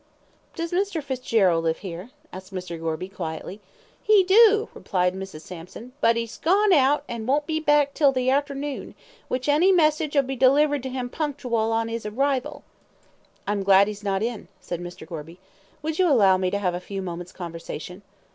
"Does Mr. Fitzgerald live here?" asked Mr. Gorby, quietly. "He do," replied Mrs. Sampson, "but 'e's gone out, an' won't be back till the arternoon, which any messige 'ull be delivered to 'im punctual on 'is arrival." "I'm glad he's not in," said Mr. Gorby. "Would you allow me to have a few moments' conversation?"